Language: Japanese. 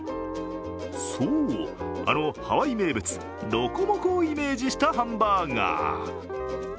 そう、あのハワイ名物ロコモコをイメージしたハンバーガー。